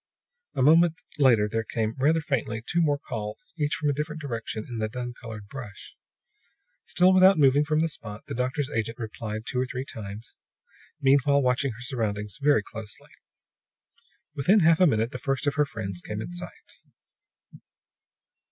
A moment later there came, rather faintly, two more calls, each from a different direction in the dun colored brush. Still without moving from the spot, the doctor's agent replied two or three times, meanwhile watching her surroundings very closely. Within half a minute the first of her friends came in sight.